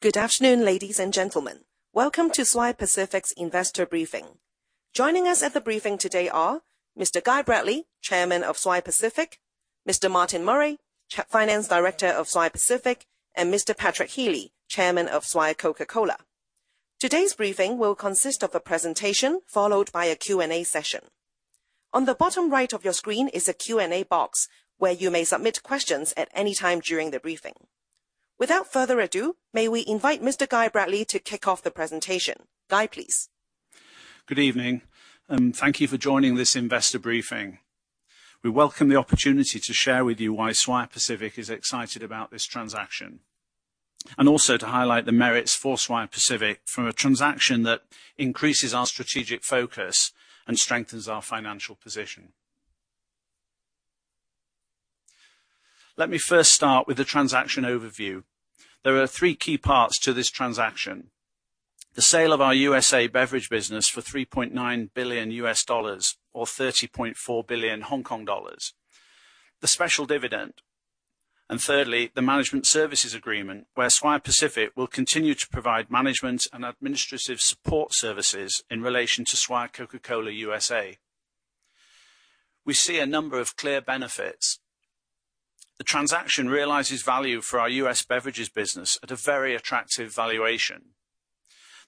Good afternoon, ladies and gentlemen. Welcome to Swire Pacific's investor briefing. Joining us at the briefing today are Mr. Guy Bradley, Chairman of Swire Pacific; Mr. Martin Murray, Finance Director of Swire Pacific; and Mr. Patrick Healy, Chairman of Swire Coca-Cola. Today's briefing will consist of a presentation, followed by a Q&A session. On the bottom right of your screen is a Q&A box, where you may submit questions at any time during the briefing. Without further ado, may we invite Mr. Guy Bradley to kick off the presentation. Guy, please. Good evening. Thank you for joining this investor briefing. We welcome the opportunity to share with you why Swire Pacific is excited about this transaction, and also to highlight the merits for Swire Pacific from a transaction that increases our strategic focus and strengthens our financial position. Let me first start with the transaction overview. There are three key parts to this transaction: the sale of our USA beverage business for $3.9 billion, or 30.4 billion Hong Kong dollars; the special dividend; and thirdly, the Management Services Agreement, where Swire Pacific will continue to provide management and administrative support services in relation to Swire Coca-Cola USA. We see a number of clear benefits. The transaction realizes value for our US beverages business at a very attractive valuation.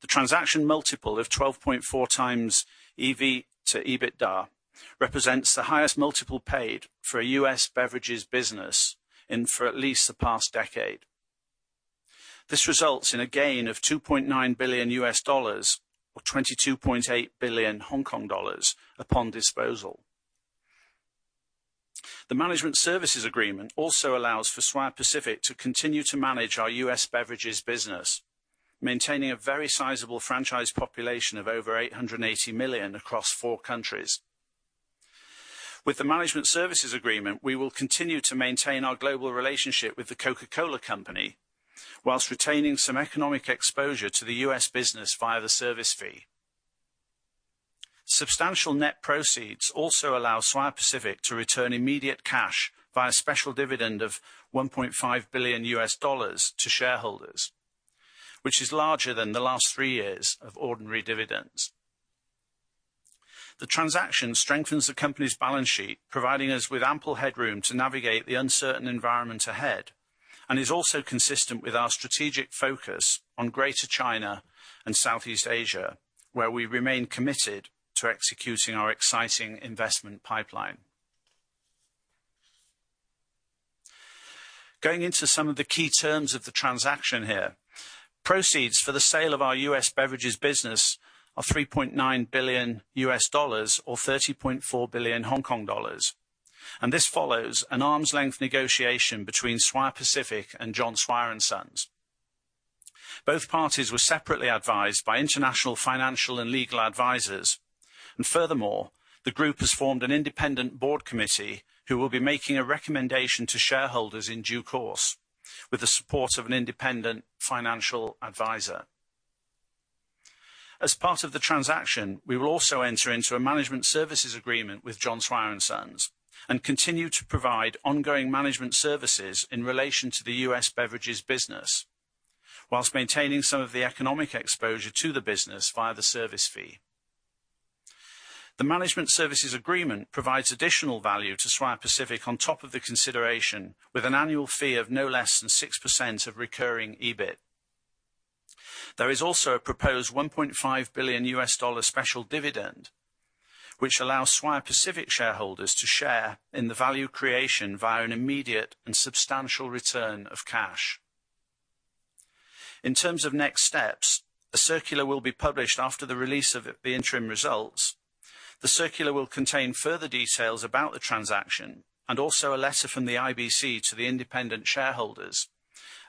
The transaction multiple of 12.4x EV/EBITDA, represents the highest multiple paid for a U.S. beverages business in for at least the past decade. This results in a gain of $2.9 billion, or HKD 22.8 billion upon disposal. The Management Services Agreement also allows for Swire Pacific to continue to manage our U.S. beverages business, maintaining a very sizable franchise population of over 880 million across four countries. With the Management Services Agreement, we will continue to maintain our global relationship with The Coca-Cola Company, while retaining some economic exposure to the U.S. business via the service fee. Substantial net proceeds also allow Swire Pacific to return immediate cash by a special dividend of $1.5 billion to shareholders, which is larger than the last three years of ordinary dividends. The transaction strengthens the company's balance sheet, providing us with ample headroom to navigate the uncertain environment ahead, and is also consistent with our strategic focus on Greater China and Southeast Asia, where we remain committed to executing our exciting investment pipeline. Going into some of the key terms of the transaction here. Proceeds for the sale of our USA beverage business are $3.9 billion, or HKD 30.4 billion, this follows an arm's length negotiation between Swire Pacific and John Swire & Sons. Both parties were separately advised by international, financial, and legal advisors. Furthermore, the group has formed an independent board committee, who will be making a recommendation to shareholders in due course, with the support of an independent financial adviser. As part of the transaction, we will also enter into a Management Services Agreement with John Swire & Sons, and continue to provide ongoing management services in relation to the U.S. beverages business, whilst maintaining some of the economic exposure to the business via the service fee. The Management Services Agreement provides additional value to Swire Pacific on top of the consideration, with an annual fee of no less than 6% of recurring EBIT. There is also a proposed $1.5 billion special dividend, which allows Swire Pacific shareholders to share in the value creation via an immediate and substantial return of cash. In terms of next steps, a circular will be published after the release of the interim results. The circular will contain further details about the transaction, a letter from the IBC to the independent shareholders,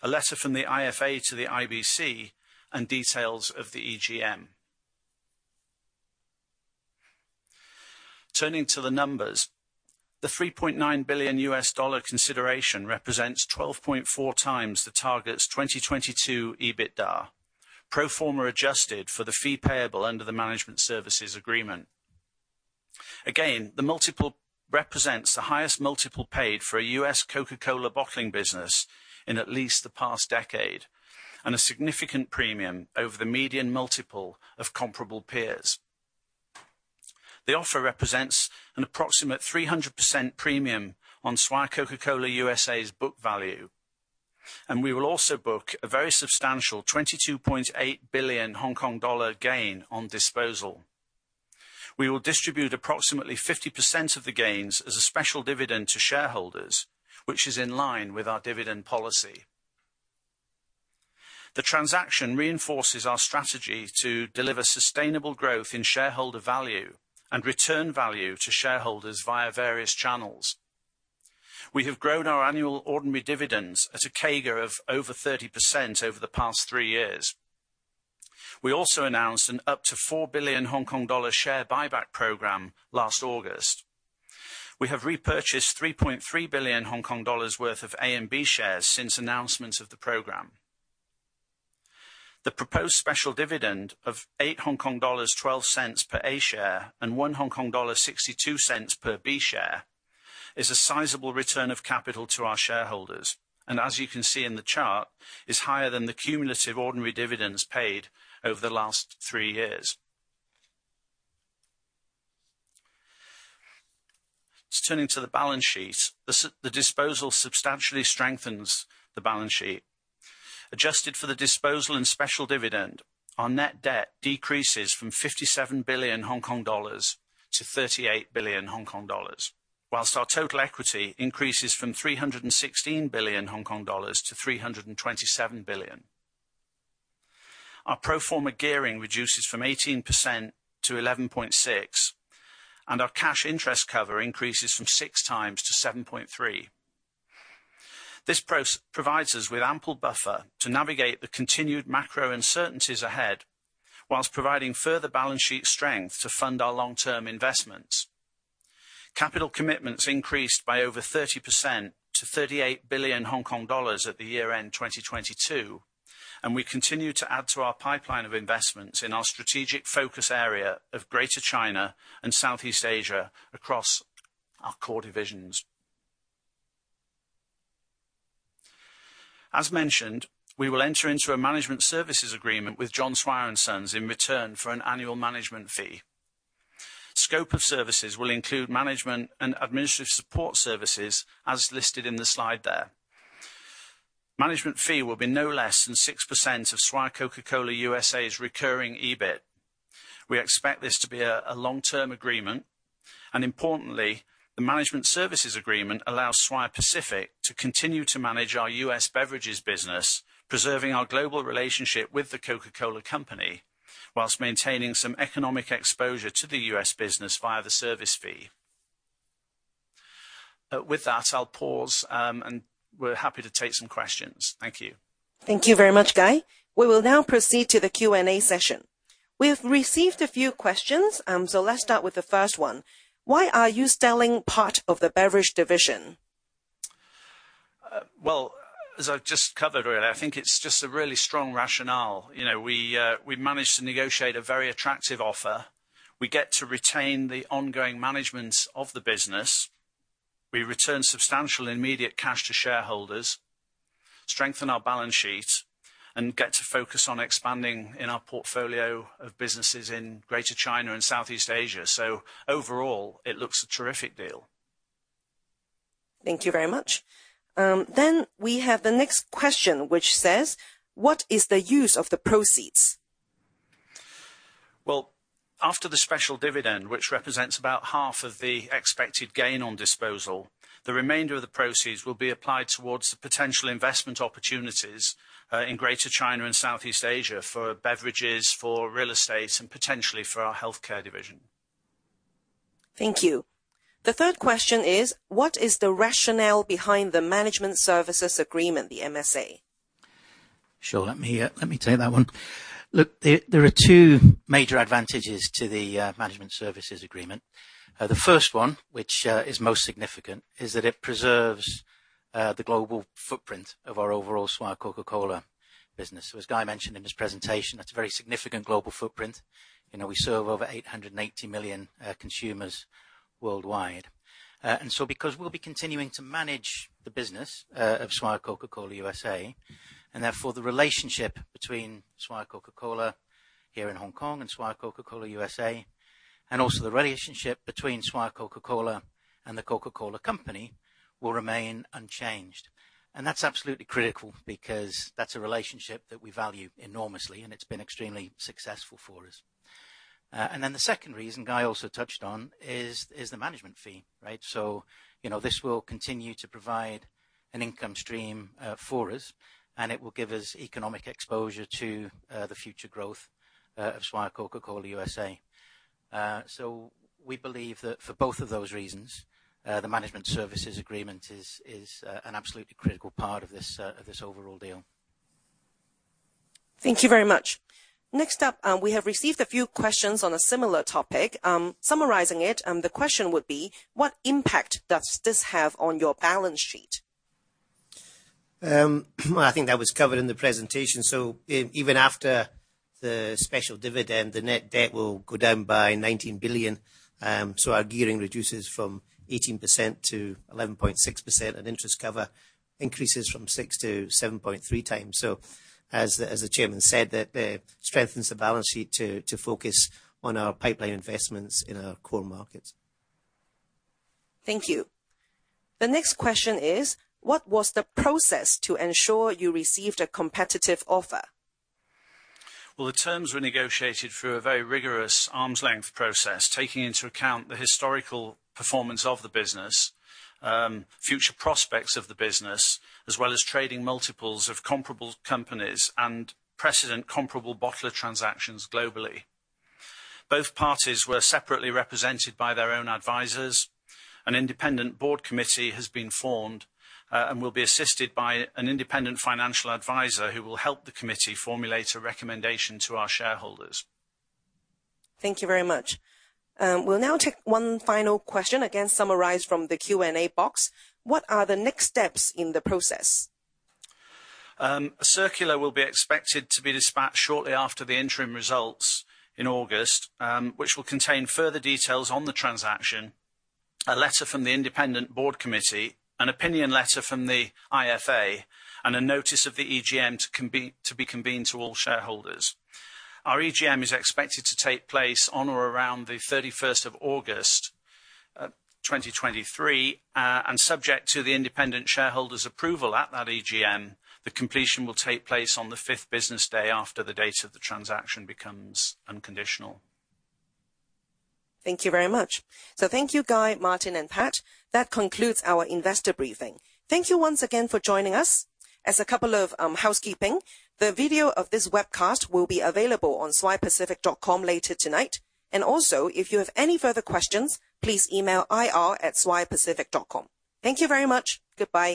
a letter from the IFA to the IBC, and details of the EGM. Turning to the numbers, the $3.9 billion consideration represents 12.4x the target's 2022 EBITDA, pro forma adjusted for the fee payable under the Management Services Agreement. The multiple represents the highest multiple paid for a U.S. Coca-Cola bottling business in at least the past decade, and a significant premium over the median multiple of comparable peers. The offer represents an approximate 300% premium on Swire Coca-Cola, USA's book value, and we will also book a very substantial 22.8 billion Hong Kong dollar gain on disposal. We will distribute approximately 50% of the gains as a special dividend to shareholders, which is in line with our dividend policy. The transaction reinforces our strategy to deliver sustainable growth in shareholder value and return value to shareholders via various channels. We have grown our annual ordinary dividends at a CAGR of over 30% over the past three years. We also announced an up to 4 billion Hong Kong dollar share buy-back program last August. We have repurchased 3.3 billion Hong Kong dollars worth of A and B shares since announcement of the program. The proposed special dividend of 8.12 Hong Kong dollars per A share, and 1.62 Hong Kong dollar per B share, is a sizable return of capital to our shareholders. As you can see in the chart, is higher than the cumulative ordinary dividends paid over the last three years. Turning to the balance sheet. The disposal substantially strengthens the balance sheet. Adjusted for the disposal and special dividend, our net debt decreases from 57 billion Hong Kong dollars to 38 billion Hong Kong dollars, while our total equity increases from 316 billion Hong Kong dollars to 327 billion. Our pro forma gearing reduces from 18% to 11.6%, and our cash interest cover increases from 6x to 7.3x. This provides us with ample buffer to navigate the continued macro uncertainties ahead, while providing further balance sheet strength to fund our long-term investments. Capital commitments increased by over 30% to 38 billion Hong Kong dollars at the year end, 2022, and we continue to add to our pipeline of investments in our strategic focus area of Greater China and Southeast Asia across our core divisions. As mentioned, we will enter into a Management Services Agreement with John Swire & Sons in return for an annual management fee. Scope of services will include management and administrative support services, as listed in the slide there. Management fee will be no less than 6% of Swire Coca-Cola, USA's recurring EBIT. We expect this to be a long-term agreement, and importantly, the Management Services Agreement allows Swire Pacific to continue to manage our US beverages business, preserving our global relationship with The Coca-Cola Company, whilst maintaining some economic exposure to the US business via the service fee. With that, I'll pause, and we're happy to take some questions. Thank you. Thank you very much, Guy. We will now proceed to the Q&A session. We've received a few questions. Let's start with the first one: Why are you selling part of the beverages division? Well, as I've just covered earlier, I think it's just a really strong rationale. You know, we managed to negotiate a very attractive offer. We get to retain the ongoing management of the business. We return substantial immediate cash to shareholders, strengthen our balance sheet, and get to focus on expanding in our portfolio of businesses in Greater China and Southeast Asia. Overall, it looks a terrific deal. Thank you very much. We have the next question, which says: What is the use of the proceeds? After the special dividend, which represents about half of the expected gain on disposal, the remainder of the proceeds will be applied towards the potential investment opportunities in Greater China and Southeast Asia, for beverages, for real estate, and potentially for our healthcare division. Thank you. The third question is: What is the rationale behind the Management Services Agreement, the MSA? Sure. Let me take that one. Look, there are two major advantages to the Management Services Agreement. The first one, which is most significant, is that it preserves the global footprint of our overall Swire Coca-Cola business. As Guy mentioned in his presentation, that's a very significant global footprint. You know, we serve over 880 million consumers worldwide. Because we'll be continuing to manage the business of Swire Coca-Cola, USA, and therefore, the relationship between Swire Coca-Cola here in Hong Kong and Swire Coca-Cola, USA, and also the relationship between Swire Coca-Cola and The Coca-Cola Company, will remain unchanged. That's absolutely critical, because that's a relationship that we value enormously, and it's been extremely successful for us. The second reason Guy also touched on is the management fee, right? You know, this will continue to provide an income stream for us, and it will give us economic exposure to the future growth of Swire Coca-Cola, USA. We believe that for both of those reasons, the Management Services Agreement is an absolutely critical part of this overall deal. Thank you very much. Next up, we have received a few questions on a similar topic. Summarizing it, the question would be: What impact does this have on your balance sheet? Well, I think that was covered in the presentation. Even after the special dividend, the net debt will go down by 19 billion. Our gearing reduces from 18% to 11.6%, and interest cover increases from 6 to 7.3 times. As the chairman said, that strengthens the balance sheet to focus on our pipeline investments in our core markets. Thank you. The next question is: What was the process to ensure you received a competitive offer? The terms were negotiated through a very rigorous arm's length process, taking into account the historical performance of the business, future prospects of the business, as well as trading multiples of comparable companies, and precedent comparable bottler transactions globally. Both parties were separately represented by their own advisors. An independent board committee has been formed, and will be assisted by an independent financial adviser, who will help the committee formulate a recommendation to our shareholders. Thank you very much. We'll now take one final question, again, summarized from the Q&A box: What are the next steps in the process? A circular will be expected to be dispatched shortly after the interim results in August, which will contain further details on the transaction, a letter from the independent board committee, an opinion letter from the IFA, and a notice of the EGM to be convened to all shareholders. Our EGM is expected to take place on or around the thirty-first of August, 2023. Subject to the independent shareholders' approval at that EGM, the completion will take place on the fifth business day after the date that the transaction becomes unconditional. Thank you very much. Thank you, Guy, Martin, and Pat. That concludes our investor briefing. Thank you once again for joining us. As a couple of housekeeping, the video of this webcast will be available on swirepacific.com later tonight. If you have any further questions, please email ir@swirepacific.com. Thank you very much. Goodbye.